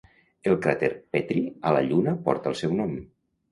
El cràter Petrie a la lluna porta el seu nom.